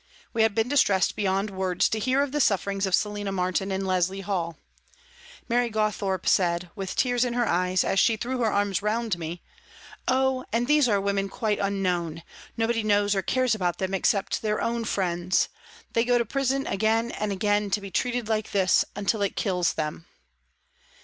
We had been distressed beyond words to hear of the sufferings of Selina Martin and Leslie Hall. Mary Gawthorpe said, with tears in her eyes, as she threw her arms round me :" Oh, and these are women quite unknown nobody knows or cares about them except their own friends. They go to prison again and again to be treated like this, until it kills them